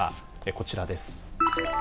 こちらです。